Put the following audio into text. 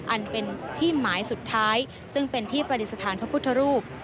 อันเป็นที่หมายสุดท้ายซึ่งเป็นที่ประดิษฐานพระพุทธรูป